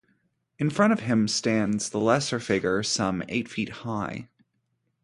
In front of him stands the lesser figure, some eight feet high.